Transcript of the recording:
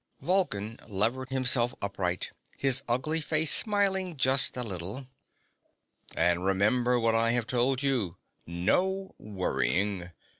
Vulcan levered himself upright, his ugly face smiling just a little. "And remember what I have told you. No worrying.